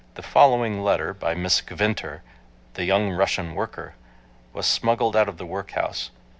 The following letter by Miss Gvinter, the young Russian worker, was smuggled out of the workhouse.